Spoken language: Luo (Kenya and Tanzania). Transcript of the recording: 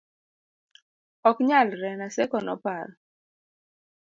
ok nyalre, Naseko noparo